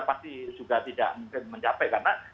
pasti juga tidak mungkin mencapai karena